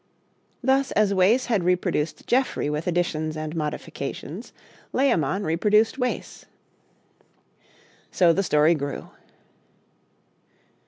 Thus as Wace had reproduced Geoffrey with additions and modifications, Layamon reproduced Wace. So the story grew.